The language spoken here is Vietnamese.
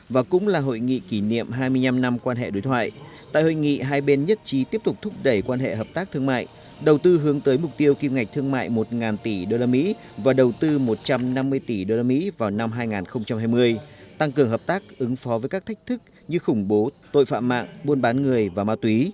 và cũng là hội nghị kỷ niệm hai mươi năm năm quan hệ đối thoại tại hội nghị hai bên nhất trí tiếp tục thúc đẩy quan hệ hợp tác thương mại đầu tư hướng tới mục tiêu kim ngạch thương mại một tỷ usd và đầu tư một trăm năm mươi tỷ usd vào năm hai nghìn hai mươi tăng cường hợp tác ứng phó với các thách thức như khủng bố tội phạm mạng buôn bán người và ma túy